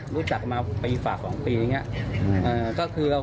ที่บอกว่าเป็นสื่อหายเหมือนกัน